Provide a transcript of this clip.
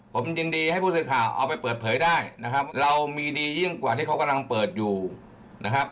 ผมยินดีให้ผู้สื่อข่าวเอาไปเปิดเผยได้นะครับเรามีดียิ่งกว่าที่เขากำลังเปิดอยู่นะครับ